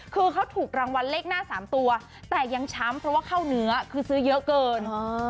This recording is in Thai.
คือเขาถูกรางวัลเลขหน้า๓ตัวแต่ยังช้ำเพราะว่าเข้าเนื้อคือซื้อเยอะเกิน